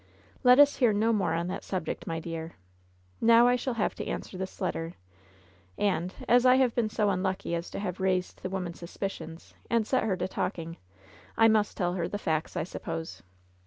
Let us hear no more on that subject, my dear. Now I shall have to answer this letter, and — as I have been so unlucky as to have raised the woman's suspicions and set her to talking — ^I must tell her the facts, I suppose.